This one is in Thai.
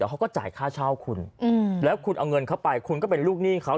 เขาก็จ่ายค่าเช่าคุณแล้วคุณเอาเงินเข้าไปคุณก็เป็นลูกหนี้เขา